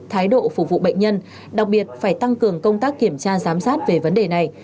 thái độ phục vụ bệnh nhân đặc biệt phải tăng cường công tác kiểm tra giám sát về vấn đề này